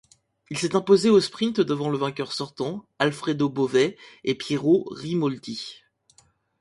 Il s'est imposé au sprint devant le vainqueur sortant, Alfredo Bovet et Pietro Rimoldi.